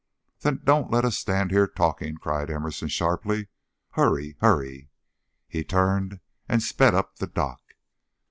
"Then don't let us stand here talking!" cried Emerson, sharply. "Hurry! Hurry!" He turned, and sped up the dock.